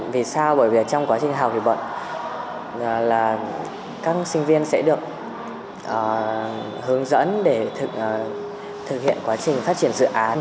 vì sao bởi vì trong quá trình học thì bọn là các sinh viên sẽ được hướng dẫn để thực hiện quá trình phát triển dự án